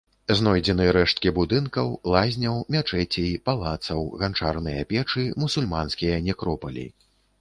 Знойдзены рэшткі будынкаў, лазняў, мячэцей, палацаў, ганчарныя печы, мусульманскія некропалі.